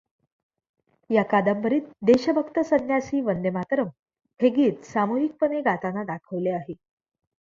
या कादंबरीत देशभक्त संन्यासी वंदे मातरम् हे गीत सामूहिकपणे गाताना दाखवले आहे.